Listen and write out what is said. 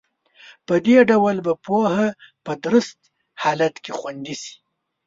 په دې ډول به پوهه په درست حالت کې خوندي شي.